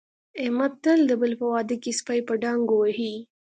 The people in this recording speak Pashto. احمد تل د بل په واده کې سپي په ډانګو وهي.